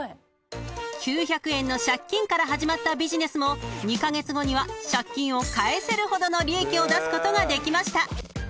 ［９００円の借金から始まったビジネスも２カ月後には借金を返せるほどの利益を出すことができました］